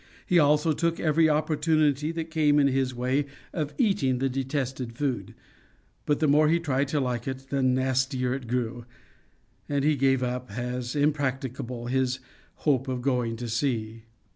He also took every opportunity that came in his way of eating the detested food. But the more he tried to like it the nastier it grew, and he gave up as impracticable his hope of going to sea.